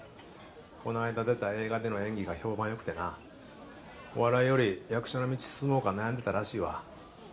この間出た映画での演技が評判良くてなお笑いより役者の道進もうか悩んでたらしいわ。